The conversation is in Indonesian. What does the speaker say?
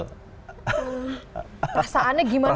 rasaannya gimana tuh